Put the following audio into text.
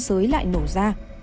xới lại nổ ra